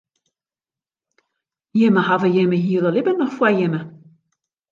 Jimme hawwe jimme hiele libben noch foar jimme.